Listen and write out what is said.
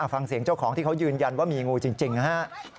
ฟังเสียงเจ้าของที่เขายืนยันว่ามีงูจริงนะฮะ